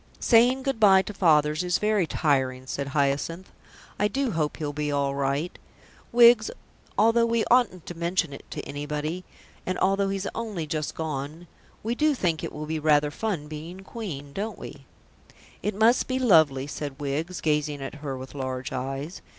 "Saying good bye to fathers is very tiring," said Hyacinth. "I do hope he'll be all right. Wiggs, although we oughtn't to mention it to anybody, and although he's only just gone, we do think it will be rather fun being Queen, don't we?" "It must be lovely," said Wiggs, gazing at her with large eyes.